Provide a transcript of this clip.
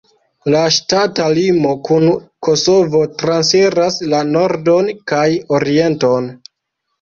La ŝtata limo kun Kosovo transiras la nordon kaj orienton.